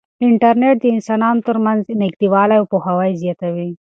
انټرنیټ د انسانانو ترمنځ نږدېوالی او پوهاوی زیاتوي.